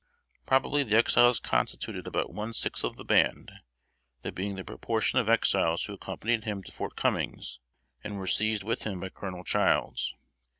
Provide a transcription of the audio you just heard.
Probably the Exiles constituted about one sixth of the band that being the proportion of Exiles who accompanied him to Fort Cummings, and were seized with him by Colonel Childs.